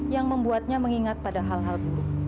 yang membuatnya mengingat pada hal hal buruk